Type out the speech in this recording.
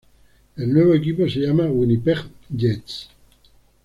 El nuevo equipo se llamó "Winnipeg Jets".